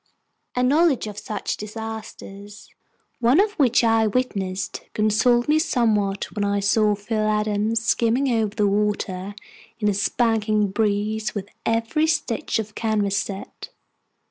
A knowledge of such disasters, one of which I witnessed, consoled me somewhat when I saw Phil Adams skimming over the water in a spanking breeze with every stitch of canvas set.